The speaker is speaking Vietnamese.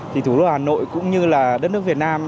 thủ đô hà nội cũng như đất nước việt nam